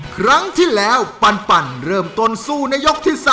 ครั้งที่แล้วปันเริ่มต้นสู้ในยกที่๓